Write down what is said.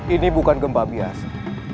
ini bukan gempa biasa